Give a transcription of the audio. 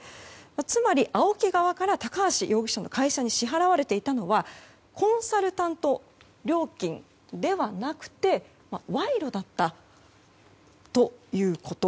つまりＡＯＫＩ側から高橋容疑者の会社に支払われていたのはコンサルタント料金ではなくて賄賂だったということ。